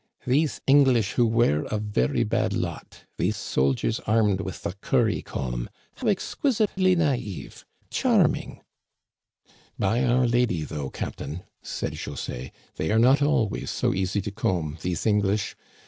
"These English who were a very bad lot ! These soldiers armed with the curry comb ! How exquisitely «dffz'^ / Charm* ing!" " By our lady, though, captain," said José, " they are not always so easy to comb, these English.